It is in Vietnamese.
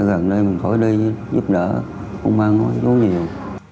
gần đây mình khỏi đi giúp đỡ không mang hỏi chú nhiều